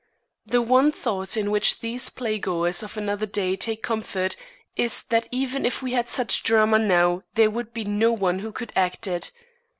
The one thought in which these playgoers of another day take comfort is that even if we had such drama now there would be no one who could act it.